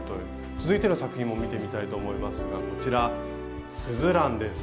続いての作品も見てみたいと思いますがこちら「すずらん」です。